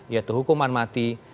yaitu hukuman mati